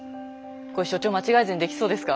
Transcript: これ所長間違えずにできそうですか？